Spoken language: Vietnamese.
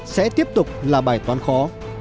sẽ tiếp tục là bài toán khó